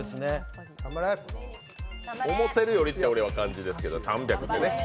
思っていたよりはっていう感じですけど、３００ってね。